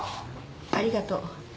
ありがとう。